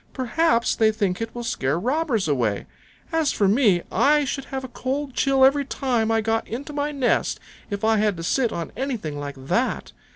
Perhaps they think it will scare robbers away. As for me, I should have a cold chill every time I got into my nest if I had to sit on anything like that.